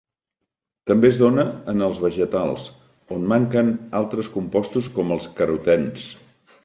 També es dóna en els vegetals, on manquen altres compostos com els carotens.